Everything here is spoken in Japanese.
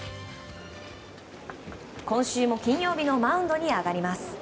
今週も金曜日のマウンドに上がります。